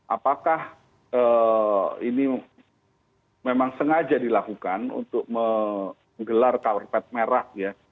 apakah ini memang sengaja dilakukan untuk menggelar karpet merah ya